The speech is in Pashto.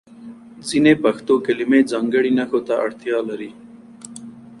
ځینې پښتو کلمې ځانګړي نښو ته اړتیا لري.